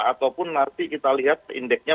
ataupun nanti kita lihat indeksnya